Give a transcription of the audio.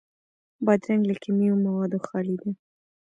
بادرنګ له کیمیاوي موادو خالي دی.